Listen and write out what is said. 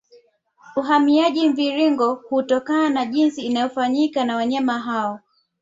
Uhamiaji Mviringo hutokana na jinsi inavyofanyika na wanyama hao